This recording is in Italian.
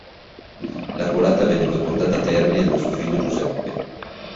La colata venne poi portata a termine da suo figlio Giuseppe.